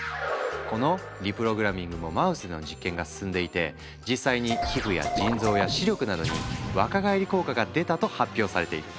このリプログラミングもマウスでの実験が進んでいて実際に皮膚や腎臓や視力などに若返り効果が出たと発表されている。